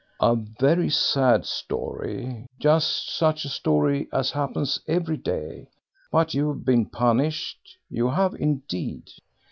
"A very sad story just such a story as happens every day. But you have been punished, you have indeed."